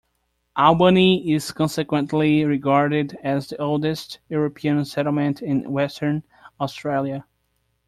Albany is consequently regarded as the oldest European settlement in Western Australia.